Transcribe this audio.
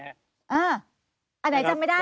อันไหนจำไม่ได้